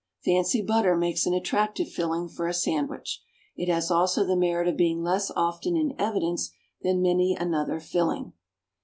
Fancy butter makes an attractive filling for a sandwich; it has also the merit of being less often in evidence than many another filling.